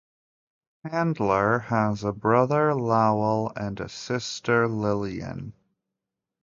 Handler has a brother Lowell and a sister Lillian.